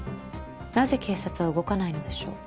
なぜ警察は動かないのでしょう？